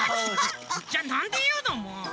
じゃなんでいうのもう。